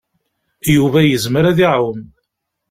Yuba yezmer ad iɛum.